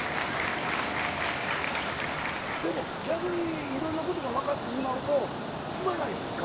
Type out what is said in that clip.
でも逆にいろんなことが分かってしまうとつまらんやんか。